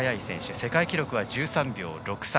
世界記録は１３秒６３。